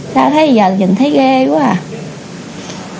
sao thấy giờ nhìn thấy ghê quá à